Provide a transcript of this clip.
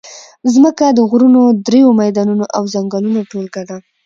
مځکه د غرونو، دریو، میدانونو او ځنګلونو ټولګه ده.